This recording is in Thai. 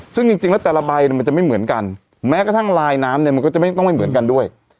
ซึ่งจริงแล้วแต่ละใบเนี่ยมันจะไม่เหมือนกันแม้กระทั่งลายน้ำเนี่ยมันก็จะไม่ต้องไม่เหมือนกันด้วย